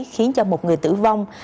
khiến cho một người tử vong